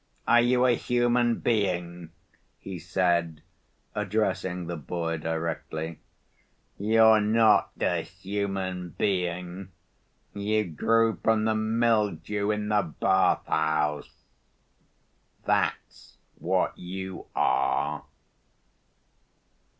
Are you a human being?" he said, addressing the boy directly. "You're not a human being. You grew from the mildew in the bath‐house. That's what you are."